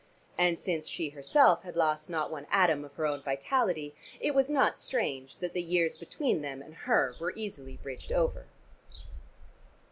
And since she herself had lost not one atom of her own vitality, it was not strange that the years between them and her were easily bridged over.